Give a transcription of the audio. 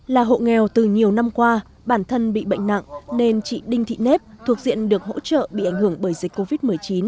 là hộ nghèo từ nhiều năm qua bản thân bị bệnh nặng nên chị đinh thị nếp thuộc diện được hỗ trợ bị ảnh hưởng bởi dịch covid một mươi chín